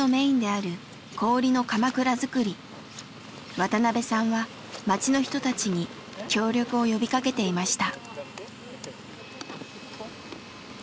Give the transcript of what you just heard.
渡邊さんは町の人たちに協力を呼びかけていました。